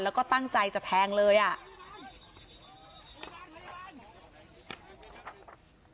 แล้วก็ตั้งใจจะแทงเลยอ่ะ